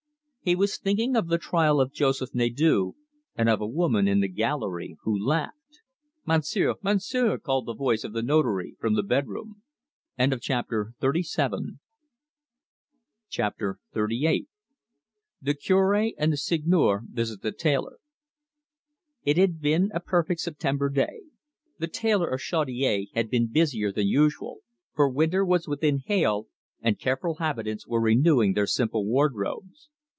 He was thinking of the trial of Joseph Nadeau, and of a woman in the gallery, who laughed. "Monsieur, Monsieur," called the voice of the Notary from the bedroom. CHAPTER XXXVIII. THE CURE AND THE SEIGNEUR VISIT THE TAILOR It had been a perfect September day. The tailor of Chaudiere had been busier than usual, for winter was within hail, and careful habitants were renewing their simple wardrobes.